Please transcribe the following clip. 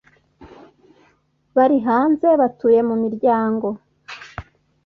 bari hanze batuye mu miryango